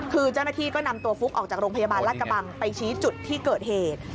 คือเจ้าหน้าที่ก็นำตัวฟุ๊กออกจากโรงพยาบาลรัฐกระบังไปชี้จุดที่เกิดเหตุ